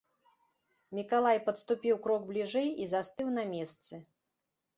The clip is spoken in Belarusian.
Мікалай падступіў крок бліжэй і застыў на месцы.